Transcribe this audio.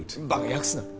訳すな。